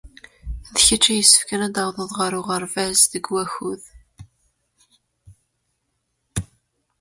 D kecc ay yessefken ad d-tawḍed ɣer uɣerbaz deg wakud.